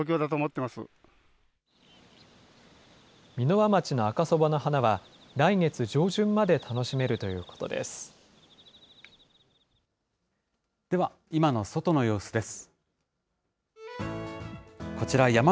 箕輪町の赤そばの花は、来月上旬まで楽しめるということです。